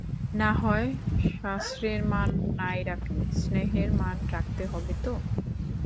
নাহয় শাস্ত্রের মান নাই রাখলে, স্নেহের মান রাখতে হবে তো।